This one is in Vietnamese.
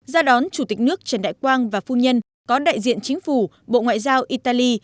ra đón chủ tịch nước trần đại quang và phu nhân có đại diện chính phủ bộ ngoại giao italy